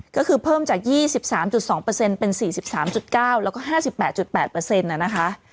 ก็คือเพิ่มจาก๒๓๒เป็น๔๓๙แล้วก็๕๘๘นะคะ